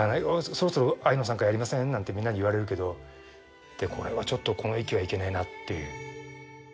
「そろそろ『愛の讃歌』やりません？」なんてみんなに言われるけどこれはちょっとこの域はいけねえなっていう。